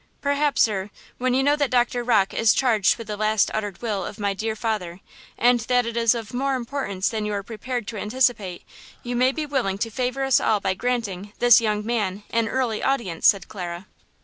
"Perhaps, sir, when you know that Doctor Rocke is charged with the last uttered will of my dear father, and that it is of more importance than you are prepared to anticipate, you may be willing to favor us all by granting this 'young man' an early audience," said Clara.